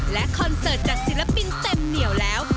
และคอนเสิร์ตจากศิลปินเต็มเหนียวแล้ว